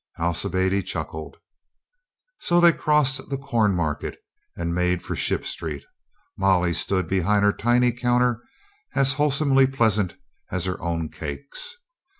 Alcibiade chuckled. So they crossed the Corn Market and made for Ship Street. Molly stood behind her tiny counter as wholesomely pleasant as her own cakes.